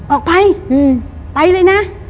ออกไปไปเลยนะ